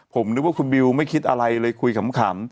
ผมนึกว่าคุณบิวไม่คิดอะไรเลยคุยขำ